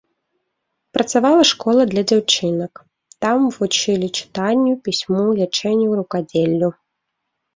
Працавала школа для дзяўчынак, там вучылі чытанню, пісьму, лічэнню, рукадзеллю.